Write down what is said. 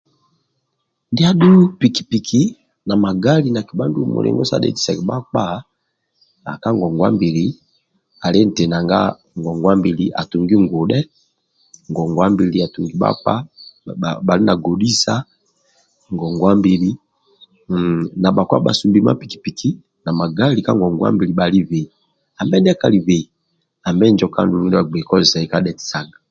Ndia adhu piki piki na magali nakibha ndulu mulingo sa dhetisaga bhakpa ali nanga ka ngombili ali nti nanga ngongwa mbili atungi ngudhe ngongwa mbili atungi bhakpa bhali na godhisa ngongwa mbili hhh na bhakpa bhatungi ma piki piki na magali ka ngongwa mbili bhalibei ambe ndia kalibei ambe injo kandulu ndia bhagbei kozesai ka dhetaga